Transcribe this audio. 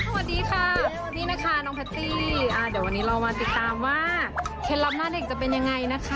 วันนี้รอวานติดตามว่าเคล็ดลับหน้าเด็กจะเป็นยังไงนะคะ